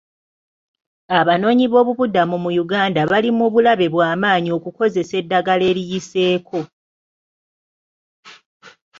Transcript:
Abanoonyiboobubudamu mu Uganda bali mu bulabe bw'amaanyi okukozesa eddagala eriyiseeko.